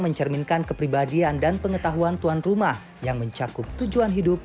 mencerminkan kepribadian dan pengetahuan tuan rumah yang mencakup tujuan hidup